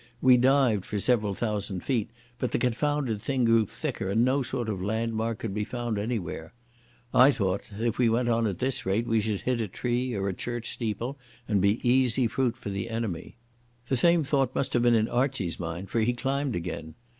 We dived for several thousand feet, but the confounded thing grew thicker and no sort of landmark could be found anywhere. I thought if we went on at this rate we should hit a tree or a church steeple and be easy fruit for the enemy. The same thought must have been in Archie's mind, for he climbed again.